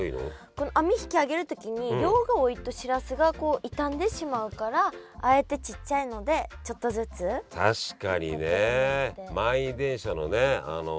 この網引きあげる時に量が多いとしらすが傷んでしまうからあえてちっちゃいのでちょっとずつ取ってるんですって。